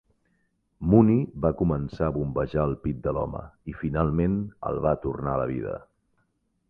Mooney va començar a bombejar el pit de l'home i finalment el va tornar a la vida.